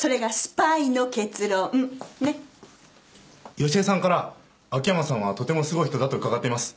良恵さんから秋山さんはとてもすごい人だと伺っています。